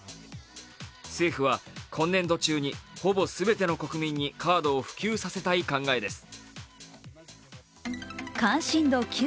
政府は、今年度中にほぼ全ての国民にカードを普及させたい考えです。